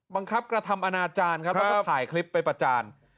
บังคับกระทำอนาจารย์ครับแล้วก็ถ่ายคลิปไปประจาน